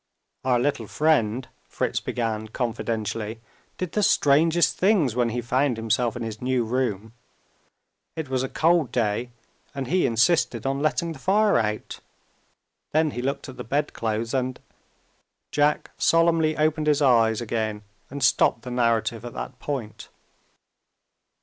"Our little friend," Fritz began confidentially, "did the strangest things when he found himself in his new room. It was a cold day; and he insisted on letting the fire out. Then he looked at the bedclothes, and " Jack solemnly opened his eyes again, and stopped the narrative at that point.